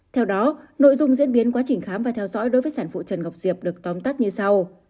theo đó nội dung diễn biến quá trình khám và theo dõi đối với sản phụ trần ngọc diệp được tóm tắt như sau